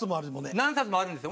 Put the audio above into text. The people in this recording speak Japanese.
何冊もあるんですよ。